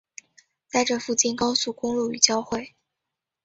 在这附近高速公路与交汇。